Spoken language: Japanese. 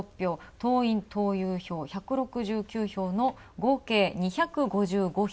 党員・党友票１６９票の合計２５５票。